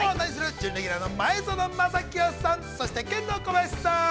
準レギュラーの前園真聖さん、そしてケンドーコバヤシさん。